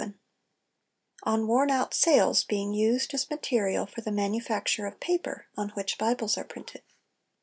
_ ON WORN OUT SAILS BEING USED AS MATERIAL FOR THE MANUFACTURE OF PAPER ON WHICH BIBLES ARE PRINTED.